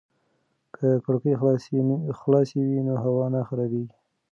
که کړکۍ خلاصې وي نو هوا نه خرابېږي.